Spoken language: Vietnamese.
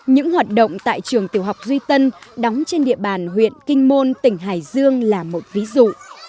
những hoạt động tại trường tiểu học duy tân đóng trên địa bàn huyện kinh môn tỉnh hải dương là một ví dụ